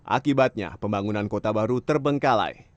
akibatnya pembangunan kota baru terbengkalai